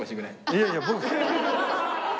いやいや。